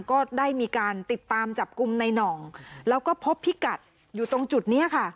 ก็ได้มีการติดตามจับกลุ่มในหน่องแล้วก็พบพิกัดอยู่ตรงจุดนี้ค่ะ